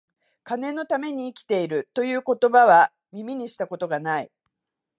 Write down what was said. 金のために生きている、という言葉は、耳にした事が無い